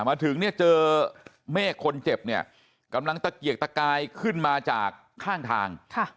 มาถึงเนี่ยเจอเมฆคนเจ็บเนี่ยกำลังตะเกียกตะกายขึ้นมาจากข้างทาง